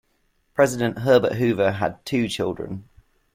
President Herbert Hoover had two children.